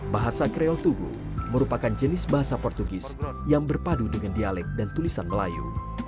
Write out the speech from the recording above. bahasa kreo tugu merupakan jenis bahasa portugis yang berpadu dengan dialek dan tulisan melayu